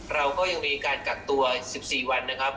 เราก็ยังมีการกักตัว๑๔วันนะครับ